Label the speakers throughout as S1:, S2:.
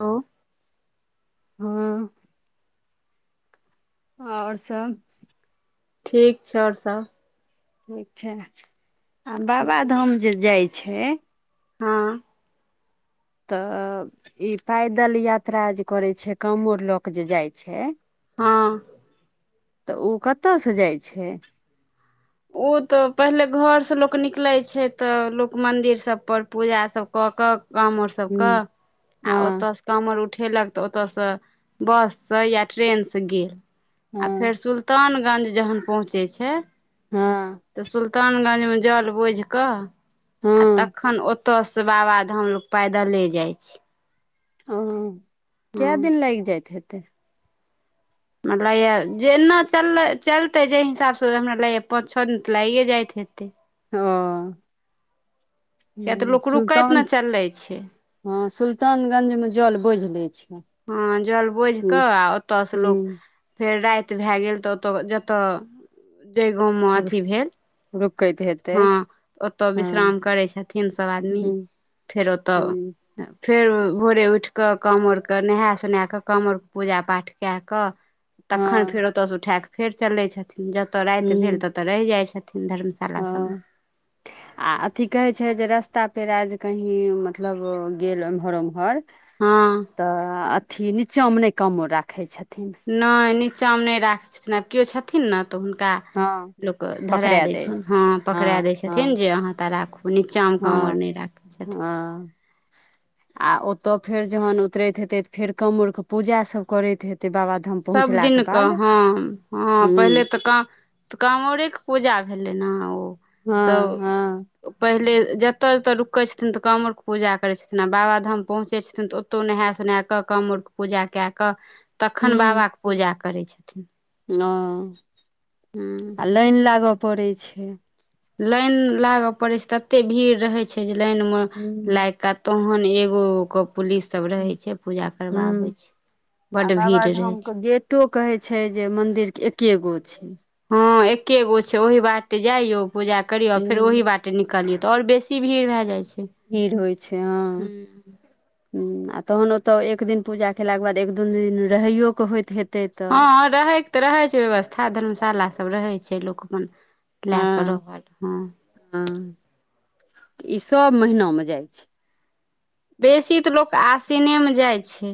S1: ओ।
S2: हँ। और सब?
S1: ठीक छै और सब।
S2: ठीक छै, आ बाबा धाम जे जाइ छै?
S1: हँ।
S2: तऽ ई पैदल यात्रा जे करै छै कामोर ल क जे जाइ छै
S1: हँ।
S2: तऽ उ कतऽसँ जाइ छै।
S1: उ तऽ पहिले घर से लोक निकलै छै तऽ लोक मंदिर सब पर पूजा सबके कऽ कऽ कामर सबक
S2: हूँ
S1: आ
S2: हँ
S1: ओतऽ से कामर उठेलक तऽ ओतऽसँ बससँ या ट्रेनसँ गेल आ फेर
S2: हँ
S1: सुल्तानगंज जखन पहुँचै छै।
S2: हँ।
S1: तऽ सुल्तानगंज में जल बोझि कऽ आ
S2: हँ
S1: तखन ओ ओतऽ सँ बाबाधाम लोक पैदले जाइ छै। हँ
S2: कए दिन लाइग जाइत हेतै?
S1: हमरा लागैए जेना चललै चलतै जै हिसाबसै हमरा लगैए पाँच छओ दिन तऽ लागिए जाइत हेतै।
S2: हां।
S1: किया तऽ लोक रुकैत
S2: सुल्तान
S1: ने चलै छै।
S2: हँ सुल्तानगंज में जल बोइझ लै छै।
S1: हँ जल बोइझ
S2: हूँ
S1: कऽ आ ओतऽसँ लोक
S2: हूँ
S1: फेर राइत भए गेल तऽ ओतऽ जतऽ जै गाँव में अथि भेल
S2: रुकैत हयत।
S1: हँ ओतऽ विश्राम करै छथिन सभ आदमी
S2: हूँ
S1: फेर ओतऽ।
S2: हूँ
S1: फेर भोरे उइठ कऽ काँवर के नहाए सोनाय कऽ काँवर पूजा-पाठ कए कऽ तखन
S2: हँ
S1: फेर ओतऽसँ उठाए कऽ फेर चलै छथिन जतऽ राइत भेल
S2: हूँ
S1: ततऽ रहि जाइ छथिन धर्मश
S2: हँ।
S1: [inaudible]
S2: आ अथि कहै छै जे रस्ता पेरा जे कहीं मतलब गेल एम्हर-ओम्हर
S1: हँ।
S2: तऽ अथि निचाँ में नहि कामोर राखै छथिन।
S1: नै निचाँ में नै राखै छथिन आब कियो छथिन न तऽ हुनका
S2: हँ
S1: लोक के धरा
S2: पकड़ा
S1: दै छै हँ पकड़ा
S2: हँ
S1: दै
S2: हँ
S1: छथिन जे अहाँ एतऽ राखू। ओ नीचाँ में काँवर
S2: हँ
S1: नहि राखै छथिन।
S2: हँ आ ओतऽ फेर जखन उतरैत हेतै त फेर काँमरके पूजा सभ करैत हेतै बाबा
S1: सबदिन क हँ-हँ पहिले
S2: हूँ
S1: तऽ काम तऽ काँवरेके पूजा भेलै न ओ तऽ
S2: हँ हँ
S1: पहिले जतऽ-जतऽ रुकै छथिन तऽ काँवर के पूजा करै छथिन आ बाबाधाम पहुँचै छथिन तऽ ओ त नहा -सोना क कामर के पूजा क क तखन बाबा
S2: हूँ
S1: के पूजा करै छथिन।
S2: हँ,
S1: हूँ
S2: आ लाइन लागऽ पड़ै छै।
S1: लाइन लागय पड़ै छै तते भीड़ रहै छै जे लाइन मे
S2: हूँ
S1: लागि कऽ तहन एगो क पुलिस सब रहै छै पूजा करबाबै
S2: हूँ
S1: छै
S2: आ
S1: बड भीड़ रहै
S2: बाबाधामके
S1: छै।
S2: गेटो कहै छै जे मन्दिरके एके गो छै।
S1: हँ एके गो छै ओहि बाटे जइयौ पूजा करियौ फेर
S2: हूँ
S1: ओहि बाटे बाटे निकलियौ तऽ और बेसी भीड़ भए जाइ छै।
S2: भीड़ होइ छै हँ। आ तखन ओतऽ एक दिन पूजा केलाक के बाद एक दून दिन रहैयो के होइत हेतै। तऽ
S1: हँ रहैके तऽ रहै छै व्यवस्था धर्मशाला सब रहै छै लोक अपन लए कऽ
S2: हँ
S1: रहल हँ।
S2: हँ, ई सब महिनामे जाइ छै।
S1: बेसी तऽ लोक आसिने में जाइ छै।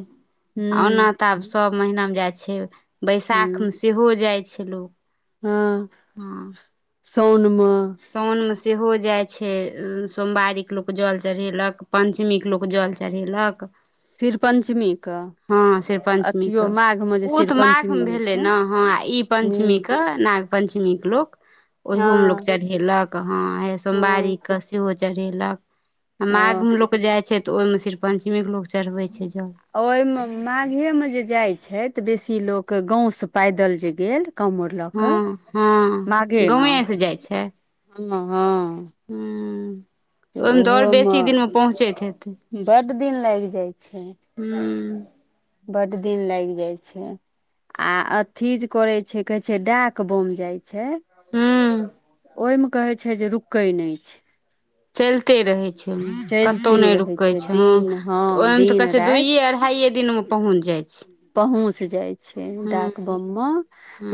S2: हू।
S1: आ ओना तऽ आब सभ महिना में जाइ छै, बैसाख
S2: हुँ
S1: में सेहो जाइ छै लोक।
S2: हँ, साँन में‌।
S1: सउन मे सेहो जाय छै, सोमवारी के लोक जल चढ़ेलक, पंचमी के लोग जल चढ़ेलक।
S2: शिरपञ्चमी क।
S1: हँ, शिर पञ्चमी कऽ। ओ
S2: शिर
S1: तऽ माघ
S2: पञ्चमी
S1: मे
S2: होइ
S1: भेले
S2: छै
S1: ने, हँ ई पंचमी
S2: हुँ
S1: क नाग पंचमी के लोक, ओयो मे लोक
S2: हँ
S1: चढ़ेलक, हँ सोमवारी
S2: हँ
S1: के सेहो चढ़ेलक, आ
S2: हँ
S1: माघमे लोक जाइ छै तऽ ओहिमे शिर पञ्चमीके लोक चढ़बै छै जल।
S2: ओहिमे माघे मे जे जाइ छै। त बेसी लोक, गांव से पैदल जे गेल काँवर लऽ कऽ
S1: हँ, हँ, गाेवे से जाइ छै।
S2: हुं, हँ।
S1: हूँ। तऽ ओहि मे त और बेसी दिनमे पहुँचैत हेतै।
S2: बड्ड दिन लागि
S1: हूँ।
S2: बडड दिन लागि जाइ छै। आ अथीजे करे छै, कहे छै डाक बम जाय छै। छै,
S1: हूँ
S2: ओहिमे कहै छै जे रुकै नहि छै।
S1: चलिते रहै छै। कतहु
S2: चलिते
S1: नहि
S2: रहै
S1: रुकै छै, हँ
S2: दिन हँ
S1: तऽ ओहिमे तऽ कहै
S2: दिन
S1: छै
S2: राति
S1: दुइए, अढ़ाइे दिन मे पहुँच जाइ छै।
S2: पहुँच जाइ छै
S1: हँ
S2: डाकबम मे,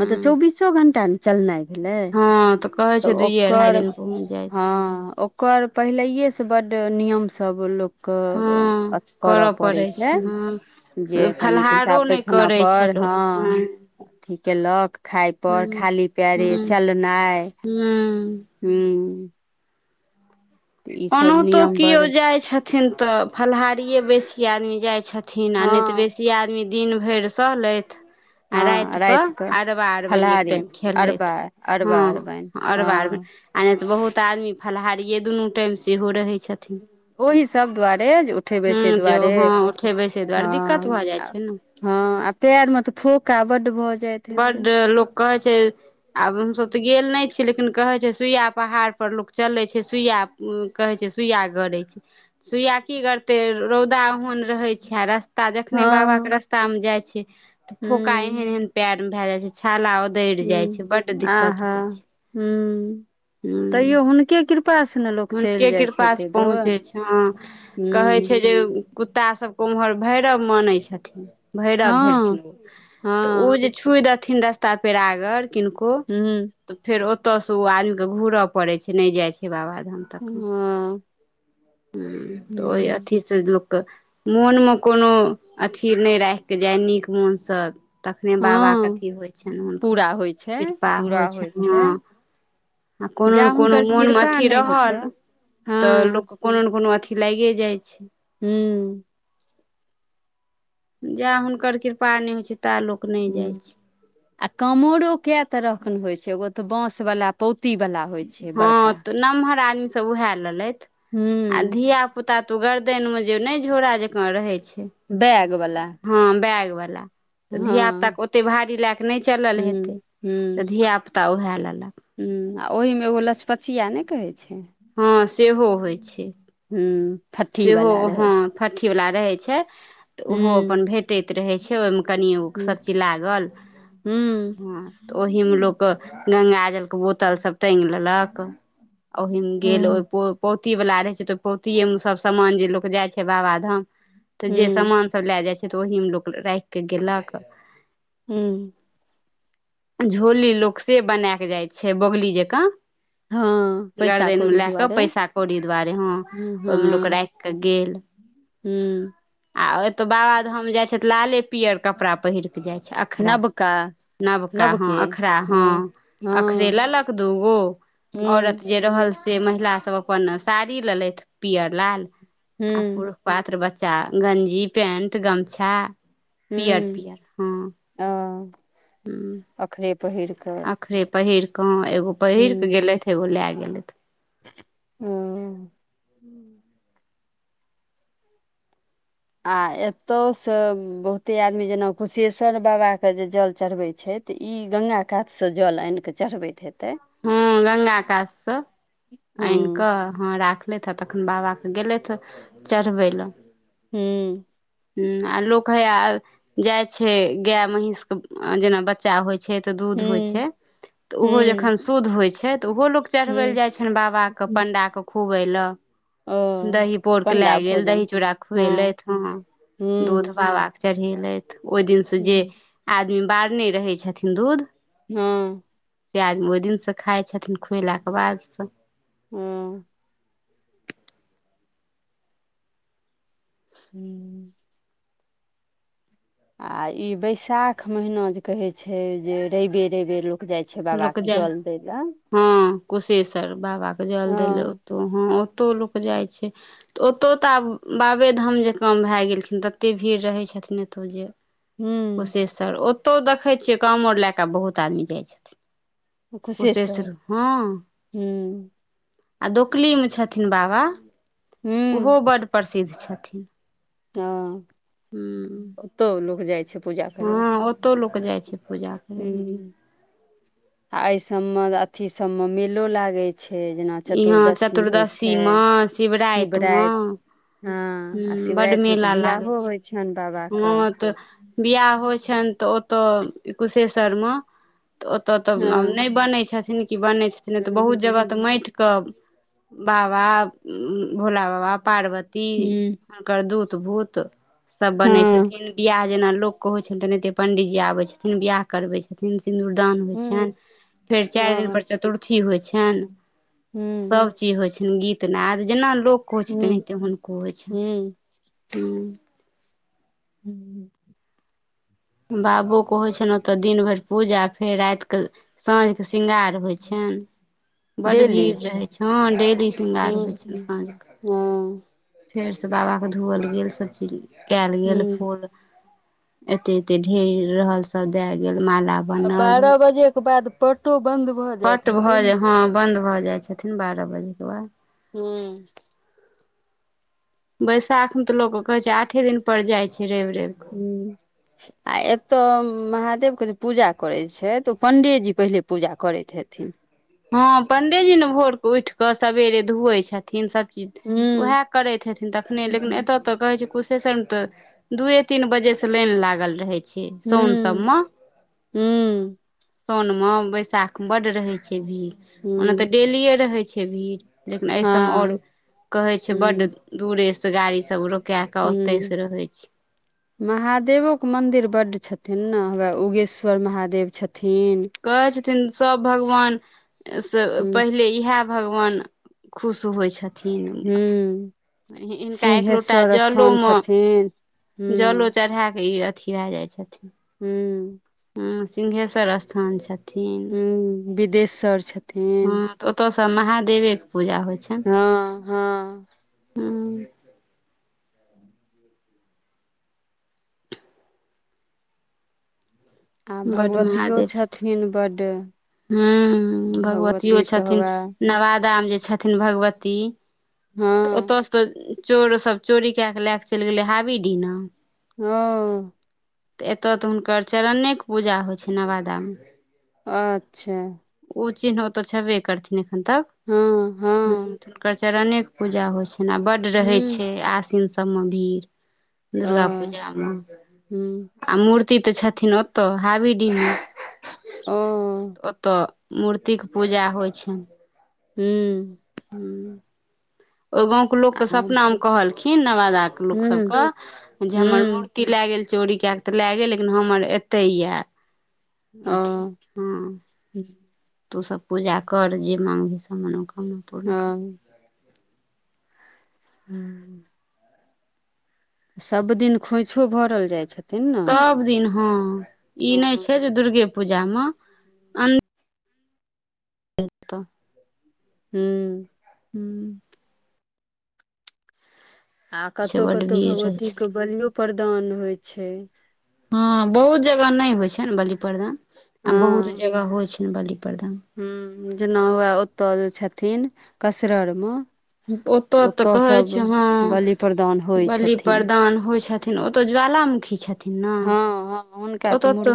S2: मतलब चौबीसो घंटा न चलनाइ भेलै,
S1: हँ कहै छै
S2: तऽ
S1: दुइए अढ़ाइ
S2: ओकर
S1: दिन पहुँच जाइ छै
S2: हँ, ओ कर, पहिलैएसँ बड्ड नियम सब लोक क
S1: हँ
S2: अथी करय
S1: पड़ै
S2: पड़ैत छै, जे
S1: हँ
S2: कनि
S1: फलाहारो
S2: पैसाब
S1: नहि
S2: पैखाना
S1: करै छै
S2: पर
S1: लोक
S2: हँ। अथि कयलक, खायपर, खाली पैरे चलनाइ।
S1: हूँ।
S2: हू।
S1: ओनातो
S2: नियम बड़
S1: कियओ जाइत छथि छइन तऽ, फलाहारिए बेसी आदमी जाइ छथिन, आ नहि तऽ
S2: हँ
S1: बेसी आदमी दिन भरि सहलथि। आ रात
S2: हँ राति
S1: कऽ अरवा अरबनि एक
S2: फलाहारी
S1: टाइम
S2: अरबा
S1: खेललथि, हँ
S2: अरबा अरबाइन
S1: अरवा -अरबनि।
S2: हँ
S1: आ नहि तऽ बहुत आदमी फलाहारिए दुनू टाइम सेहो रहै छथिन।
S2: ओहि सब दुआरे, उठे
S1: हूँ
S2: बैसे
S1: जे
S2: दुआरे,
S1: हँ उठे बैसे दुआरे दिक्कत
S2: हँ।
S1: भऽ जाइ छै ने
S2: हँ, आ पैर में फोका बड भऽ जाइत हेतै
S1: बड लोक कहै छै आब हमसभ तऽ गेल नहि छी, लेकिन कहैत छै सुइया पहाड़पर लोक चलैत छै, सुइया उ कहै छै सुइया गरई छै, सुइया की गरते, रौदा ओहन रहै छै, आ रस्त ता
S2: हँ
S1: जखने बाबा के रास्ता में जाय छै, त फोका एहन
S2: हूँ
S1: एहन पेर मे भय जाय छै, छाला उ दइड़ जाय छै, बड दिक्कत होइ छै।
S2: हूॅं
S1: हूँ
S2: तैयो हुनके कृपा से न लोक चलि
S1: हुनके
S2: जाइ छै
S1: कृपा सँ
S2: एते दूर
S1: पहुँचै छै हँ कहै
S2: हूँ
S1: छै जे कुत्ता सबके उम्हर भैरव मानै छथिन भैरव भेलखिन
S2: हँ
S1: ओ तऽ
S2: हँ
S1: ओ जे छुइ देथिन रस्ता पेरा अगर किनको
S2: हूँ
S1: तऽ फेर ओतऽ सँ ओ आदमी केँ घुरय पड़ै छै नहि जाइ छै बाबाधाम तक।
S2: हँ
S1: हुं ओइ
S2: हूँ
S1: अथी से लोक के मोनमे कोनो अथी नहि राखि कऽ जाय नीक मोन सँ तखने बाबाके
S2: हँ
S1: अथी होइ छनि हुनकर
S2: पूरा होइ छै
S1: कृपा
S2: पूरा
S1: होइ छनि।
S2: छै
S1: हँ, आ कोनो
S2: जा
S1: ने कोनो
S2: हुनकर
S1: मोन मे
S2: कृपा
S1: अथि
S2: नहि हेतै
S1: रहल तऽ
S2: हँ
S1: लोक के कोनो ने कोनो अथी लाइगे जाइ छै।
S2: हूँ
S1: जा हुनकर कृपा नहि होइ छै ता लोक नहि
S2: हुं
S1: जाइ छै
S2: आ कामोरो कए तरह क अखन होइ छै एगो तऽ बाँस बला पौती बला। होइ छै
S1: हँ
S2: बड़का।
S1: तऽ नमहर आदमी सब उएह लेलथि आ
S2: हूँ
S1: धीया पुता पुता त गर्दन में जे नै झोरा जकां रहय छै
S2: बैग बला
S1: हँ बैग बला, तऽ धिया पुताके ओतेक भारी लए कऽ नहि चलल
S2: हूँ
S1: हेतै तऽ धियापुता उएह लेलक।
S2: हूॅं आ ओहिमे एगो लचपचिया नहि कहै छै
S1: हँ सेहो होइ छै।
S2: हूं
S1: सेहो हँ फठी बला रहै छै। तऽ ओहो
S2: हूँ
S1: अपन भेटैत रहै छै ओय मे कनिओ
S2: हूँ
S1: सभचीज लागल
S2: हूँ
S1: हॅं तऽ ओहिमे लोक गंगाजल के बोतल सब टांगि लेलक। ओहि मे गेल ओहि
S2: हूँ
S1: पो पोती बला रहै छै तऽ पौति मे सब समान जे लोक जाइ छै बाबाधाम तऽ जे
S2: हूँ
S1: समान सब लए जाय छै तऽ ओहि मे लोक रायख के गेलक
S2: हूं
S1: झोली लोक से बनेए क जाइ छै बोगली जकाँ,
S2: हँ पैसा
S1: गर्देन मे
S2: कौड़ी
S1: लए क
S2: दुआरे
S1: पैसा कौड़ी दुआरे हॅं ओहिमे लोक राखि के गेल।
S2: हूं
S1: आ एतौ बाबाधाम जाइ छै तऽ लाले पीयर कपड़ा पहिर कऽ जाइ छै।
S2: नबका,
S1: अखरा ह अखरा ह अखरे
S2: हँ
S1: लेलक दूगो
S2: ह
S1: औरत जे रहल से महिला सब अपन साड़ी लेलथि पीअर लाल आ पु
S2: ह
S1: पुरुष पात्र बच्चा गंजी पेंट गमछा पीयर पीयर, हँ।
S2: हॅं अखरे पहिर कऽ
S1: अखरे पहिर कऽ हॅं एगो पहिर कऽ गेलथि एगो लए गेलथि।
S2: हूं आ एतौ से बहुते आदमी जेना कुशेश्वर बाबा के जे जल चढ़बै छैथ तऽ ई गंगा कातसँ जल आनिकऽ चढ़बैत हेतैथ।
S1: हूॅं गंगा कात सॅं
S2: ह
S1: आनि कऽ हँ राखलैथ आ तखैन बाबाके गेलैथ चढ़बै लए।
S2: हूँ
S1: हूॅं आ लोक हैया जाय छै गाय महींष के जेना बच्चा होय छै तऽ
S2: ह
S1: दूध होय छै तऽ ओहो
S2: ह
S1: जखन शुद्ध होय छै तऽ ओहो लोक चढ़बै लए
S2: ह
S1: जाय छैन बाबा के पण्डाके खुअबैलए।
S2: ओ
S1: दही पौर के लए
S2: पण्डा
S1: गेल
S2: भोजन
S1: दही चूड़ा
S2: हँ
S1: खुवेलैथ। हॅं,
S2: ह
S1: दूध बाबाके चढ़ेलैथ ओय दिन स जे
S2: हूँ
S1: आदमी बारने रहै छथिन दूध
S2: हं
S1: से आदमी ओय दिन से खाय छथिन खुएलाके बाद से
S2: हूँ हूँ आ ई बैसाख महिना जे कहै छै जे रैवे -रैवे लोक जाय छै बाबा के जल दै लए,
S1: हँं कुशेश्वर बाबा के जल देैलेए
S2: हँ
S1: ओत्तौ हॅं ओतौ लोक जाय छै। तऽ ओतौ तऽ आब बाबेधाम जेकां भए गेलखिन ततेक भीड़ रहै छथिन एतौ जे,
S2: हूँ
S1: कुशेश्वर ओतौ देखै छियै कामोर लए कऽ बहुत आदमी जाय छथिन।
S2: खुशेश्वर
S1: कुशेश्वर हँं।
S2: हूँ
S1: आ डोकली मे छथिन बाबा ओहो
S2: हूँ
S1: बड प्रसिद्ध छथिन।
S2: त
S1: हूँ
S2: ओतौ लोक जाय छै पूजा करैय ले।
S1: हॅं ओतौ लोक जाय छै पूजा करै लए
S2: हॅं आ अइ सब मे अथी सबमे मेलो लागय छै। छै जेना
S1: इहाँ
S2: चतुर्दशी होय छै
S1: मे मे
S2: शिवराति हँ आ
S1: हूँ बड्ड
S2: शिवराति मे तऽ
S1: मेला
S2: बियाहो होय छैन बाबा के,
S1: त बियाह होय छैन तऽ ओतऽ कुशेश्वर मे तऽ ओ ओतऽ त
S2: हँ
S1: नैय बनै छथिन की बनै छथिन तऽ
S2: हूँ
S1: बहुत जगह तऽ मैट क बाबा भोला बाबा पार्वती
S2: हूँ
S1: हुनकर दूत- भूत सब बनय
S2: हँ
S1: छथिन बियाह जेना लोक के होइ छै, तेनाहिते पंडितजी आबैय छथिन बियाह करबै छथिन। सिन्दूरदान होय
S2: हूँ
S1: छैन फेर चारि दिन
S2: हँ
S1: पर चतुर्थी होय छैन।
S2: हूँ
S1: सब चीज होय छनि गीतनाद जेना लोक के होय छै
S2: हूँ
S1: तेनाहिते हुनको होय छैन
S2: हूँ
S1: हूँ।
S2: हूँ
S1: बाबोके होय छैन ओतऽ दिन भैर पूजा फेर राति केऽ साँझ के श्रृंगार होय छैन बड
S2: डेली
S1: भीड़ रहेै छैय हॅं डेली, श्रृंगार होय
S2: हूँ
S1: छैन साँझके।
S2: हँ
S1: फेर से बाबा के धोअल गेल सब चीज केएल गेल
S2: हूँ
S1: फूल एते -एते ढे़री रहल सब दय गेल माला
S2: आ
S1: बनल
S2: बारह बजे के बाद पटो बंद भऽ जाइत
S1: पट
S2: हेतै
S1: भऽ
S2: ने
S1: जा हँ बन्द भऽ जाय छथिन बारह बजे के बाद।
S2: हूँ
S1: बैशाख मे तऽ लोक कहै छै आठे दिन पड़ जाय छैय रैव- रैव कऽ,
S2: हूँ
S1: [unintelligible]
S2: आ एतय महादेव के जे पूजा करै छै तऽ पण्डियेजी पहिले पूजा करैत हेथिन।
S1: हँ पंण्डियेजी ने भोर के उैठ कऽ सवेरे धोअै छथिन सब चीज।
S2: हूँ
S1: उएह करैत हेथिन तखने लेकिन
S2: हूँ
S1: एतऽ तऽ कहै छै कुछ। शन ते दुए तीन बजे से लाइन लागल रहेै छैय। छै सौनसब
S2: हूँ
S1: म सौन म बैशाख मे बड रहै। भीड़ ओना तऽ
S2: हूँ
S1: डेलिेयो रहै छै भीड़। लेकिन सब मे आऔर
S2: हँ
S1: कहे छै बड
S2: हूँ
S1: दूरे से गाड़ी सब रो कए कऽ ओतहि से रहै छी।
S2: महादेवो के मंदिर बड्ड छथिन ने हए उगेश्वर महादेव छथिन।
S1: कहै छथिन सभ भगवान से
S2: हूँ
S1: पहिले इएह। भगवान खुश होइ छथि
S2: हूँ
S1: न हिनका एक लोटा
S2: सिंहेश्वर स्थान
S1: जलोमे।
S2: छथिन
S1: जलो
S2: हूँ
S1: चढ़ा कऽ ई अथी भए जाइ छथिन।
S2: हू।
S1: ह सिंघेश्वर स्थान छै।
S2: ह विदेश्वर छथि।
S1: हँ तऽ ओतऽसँ महादेवेके पूजा होइ छनि।
S2: हँ हँ।
S1: हँ
S2: आ
S1: बड्ड
S2: भगवतियो छथिन बड।
S1: ह भगवतियो छथिन
S2: हौवे
S1: नवादा मे जे छथिन भगवती।
S2: हँ।
S1: ओतय से तऽ चोर सब चोरी कए क लए क चलि गेलै हाबीडीना।
S2: ह।
S1: तऽ एतय तऽ हुनकर चरणेके पूजा होइ छै नवादामे।
S2: अच्छा।
S1: ओ चिन्ह ओतऽ छेबे करथिन एखन तक
S2: हँ हँ
S1: हुनकर चरणे। पूजा होइ छैनि आ बड्ड रहै
S2: हूँ
S1: छै आसिन सभमे भीड़।
S2: ओ
S1: दुर्गा पूजा मे
S2: हूँ
S1: आ मूर्ति ते छथिन ओतऽ हाबी मे
S2: ओ
S1: ओतऽ मूर्ति के पूजा होइ छैन।
S2: हू।
S1: ह ओहि गाँंव के लोक
S2: आ
S1: के सपना मे कहलखिन नवादा के लोक
S2: हूँ
S1: सबके जे हमर
S2: हूँ
S1: मूर्ति लए गेल चोरी क क तऽ लए गेल लेकिन हमर एते यए। अथि हुँ।
S2: ठीक [unintelligible]
S1: तूसभ पूजा कर जे माँङ्गही सभ मनोकामना पूर्ण कर
S2: हँ। हू। सभ दिन खोइछो भरल जाइ छै।
S1: सभदिन हँ ई
S2: हँ
S1: नहि छै जे दुर्गे पूजामे। ऐत।
S2: हू।
S1: हू।
S2: आ
S1: छै
S2: कतहु
S1: बड्ड
S2: कतहु
S1: भीड़ रहै छथिन
S2: भगवतीके बलियो प्रदान होइ छै।
S1: हँ बहुत जगह नहि होइ छैन बलि प्रदान आ बहुत
S2: हँ
S1: जगह होइ छैन बलि प्रदान।
S2: ह जेना हुए ओतऽ जे छथिन कसररमे।
S1: ओतो तऽ
S2: ओतय
S1: कहे
S2: सभ
S1: छै हँ,
S2: बलि प्रदान होइ
S1: बलि
S2: छथिन
S1: प्रदान होइ छय न ओतऽ ज्वालामुखी छथिन नऽ
S2: हँ हँ हुनका
S1: ओत
S2: तऽ मुर
S1: त